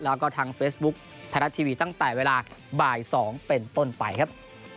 แล้วก็ทางเฟซบุ๊คไทยรัฐทีวีตั้งแต่เวลาบ่าย๒เป็นต้นไปครับ